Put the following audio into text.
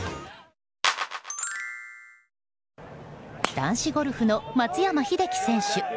男子ゴルフの松山英樹選手。